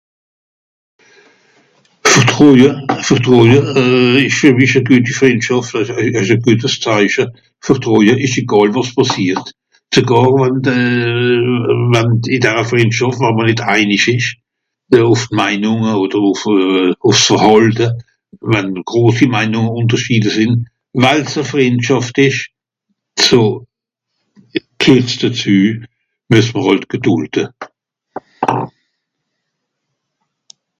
Vertroïe, Vertroïe euh... ìsch fer mich e gueti Frìndschàft euh... e guetes Zeiche, Vertroïe ìsch egàl wàs pàssiert. Sogàr wànn de euh... wann... ìn da Frìndschàft wa'mr nìt einisch ìsch... ùff d'Meinùnge odder ùff euh... ùff s'Verhàlte, wenn grosi Meinùngùnterschiede sìnn. Weil's e Frìndschàft ìsch so... gheert's dezü. Mues mr hàlt gedùlde.